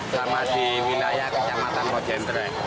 sama di wilayah kecamatan mojentre